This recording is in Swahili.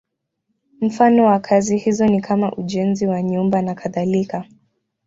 Mfano wa kazi hizo ni kama ujenzi wa nyumba nakadhalika.